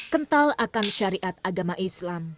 kental akan syariat agama islam